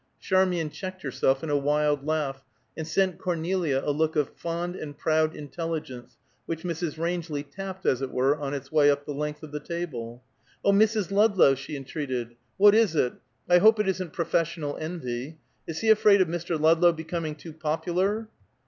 Charmian checked herself in a wild laugh, and sent Cornelia a look of fond and proud intelligence, which Mrs. Rangeley tapped, as it were, on its way up the length of the table. "O Mrs. Ludlow!" she entreated. "What is it? I hope it isn't professional envy! Is he afraid of Mr. Ludlow becoming too popular?"